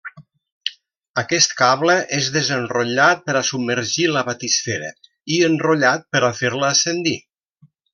Aquest cable és desenrotllat per a submergir la batisfera, i enrotllat per a fer-la ascendir.